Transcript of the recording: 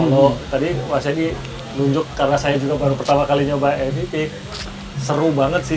oh tadi mas edi nunjuk karena saya juga baru pertama kali nyoba ebt seru banget sih